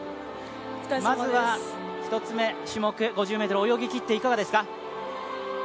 まずは１つ目の種目、５０ｍ泳ぎきっていかがですか？